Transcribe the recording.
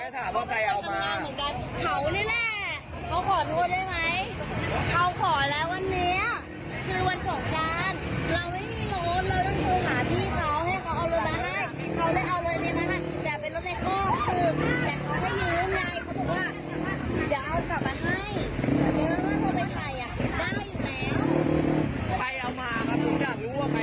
เดี๋ยวคนนั้นอย่างไรของนี้แหละ